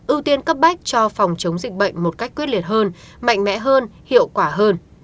ưu tiên cấp bách cho phòng chống dịch bệnh một cách quyết liệt hơn mạnh mẽ hơn hiệu quả hơn